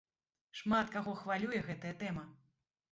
Шмат каго хвалюе гэтая тэма.